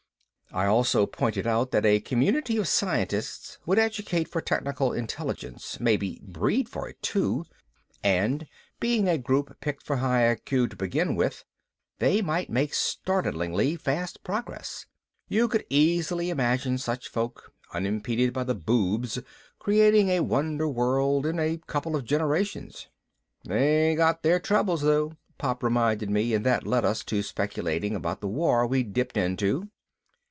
I also pointed out that a community of scientists would educate for technical intelligence, maybe breed for it too. And being a group picked for high I. Q. to begin with, they might make startlingly fast progress. You could easily imagine such folk, unimpeded by the boobs, creating a wonder world in a couple of generations. "They got their troubles though," Pop reminded me and that led us to speculating about the war we'd dipped into.